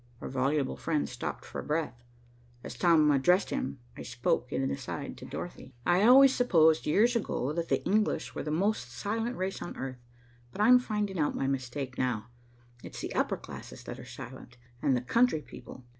Our voluble friend stopped for breath. As Tom addressed him, I spoke in an aside to Dorothy. "I always supposed years ago that the English were the most silent race on earth, but I'm finding out my mistake now. It's the upper classes that are silent and the country people.